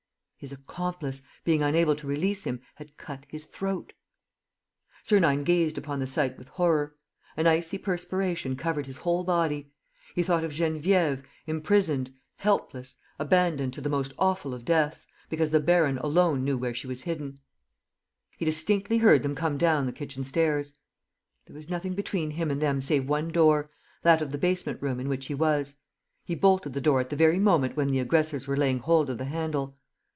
His accomplice, being unable to release him, had cut his throat. Sernine gazed upon the sight with horror. An icy perspiration covered his whole body. He thought of Geneviève, imprisoned, helpless, abandoned to the most awful of deaths, because the baron alone knew where she was hidden. He distinctly heard the policemen open the little back door in the hall. He distinctly heard them come down the kitchen stairs. There was nothing between him and them save one door, that of the basement room in which he was. He bolted the door at the very moment when the aggressors were laying hold of the handle.